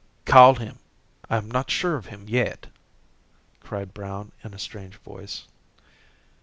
"Call him. I am not sure of him yet," cried Brown in a strange voice.